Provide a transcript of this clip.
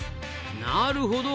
なるほど。